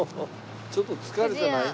ちょっと疲れてない？